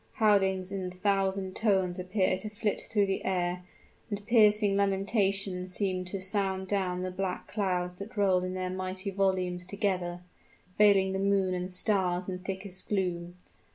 Howlings in a thousand tones appeared to flit through the air; and piercing lamentations seemed to sound down the black clouds that rolled their mighty volumes together, veiling the moon and stars in thickest gloom.